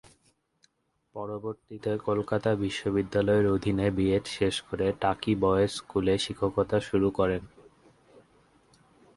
পরবর্তীতে কলকাতা বিশ্ববিদ্যালয়-এর অধীনে বিএড শেষ করে টাকি বয়েজ স্কুলে শিক্ষকতা শুরু করেন।